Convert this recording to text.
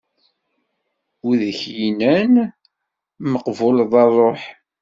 Wi k-innan meqbuleḍ a ṛṛuḥ?